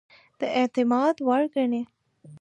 د اعتماد وړ ګڼي.